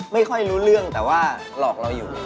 ไม่รู้เรื่องแต่ว่าหลอกเราอยู่